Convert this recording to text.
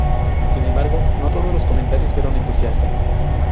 Sin embargo, no todos los comentarios fueron entusiastas.